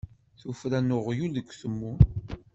Tuffra n uɣyul deg utemmun.